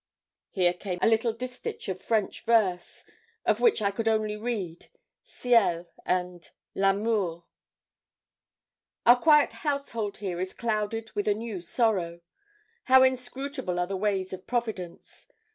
Here came a little distich of French verse, of which I could only read ciel and l'amour. 'Our quiet household here is clouded with a new sorrow. How inscrutable are the ways of Providence!